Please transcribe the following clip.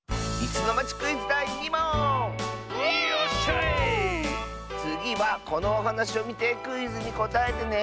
つぎはこのおはなしをみてクイズにこたえてね。